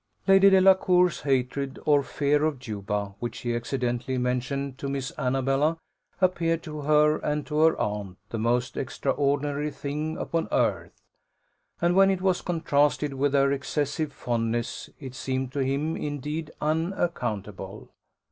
Lady Delacour's hatred or fear of Juba, which he accidentally mentioned to Miss Annabella, appeared to her and to her aunt "the most extraordinary thing upon earth;" and when it was contrasted with their excessive fondness, it seemed to him indeed unaccountable.